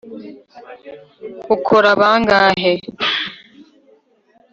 ukora bangahe